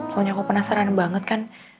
soalnya kok penasaran banget kan